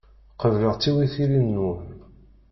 Qebleɣ tiwitilin-nwen.